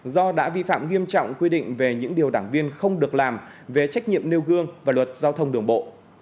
do đã vi phạm nghiêm trọng quy định về những điều đảng viên không được làm về trách nhiệm nêu gương và luật giao thông đường bộ